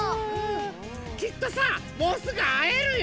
きっとさもうすぐあえるよ！